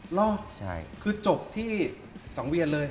หรอคือจบที่๒เวียนเลย